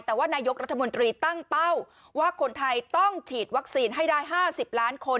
แต่ว่านายกรัฐมนตรีตั้งเป้าว่าคนไทยต้องฉีดวัคซีนให้ได้๕๐ล้านคน